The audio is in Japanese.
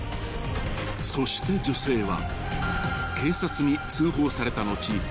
［そして女性は］